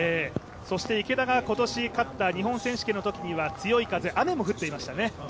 そして池田が今年勝った日本選手権のときには強い風、雨も降っていましたね。